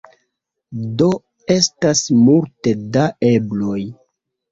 Do estas multe da ebloj.